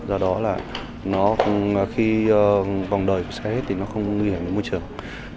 do đó là khi vòng đời xe hết thì nó không nguy hiểm đến môi trường